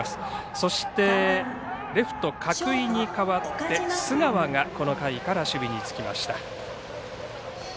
そしてレフト角井に代わって須川がこの回から守備につきました。